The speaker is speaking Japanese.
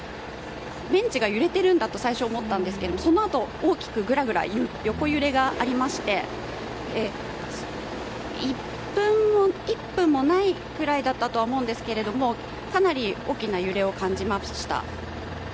ベンチが揺れてるんだと最初は思っていたんですけどそのあと大きく横揺れがありまして１分もないくらいだったと思うんですけれどもかなり大きな揺れを感じました。